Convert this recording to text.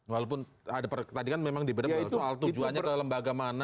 walaupun ada pertandingan memang dibenamkan soal tujuannya ke lembaga mana